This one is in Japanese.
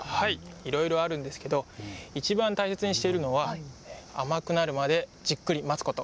いろいろあるんですけど一番大切にしているのは甘くなるまでじっくり待つこと。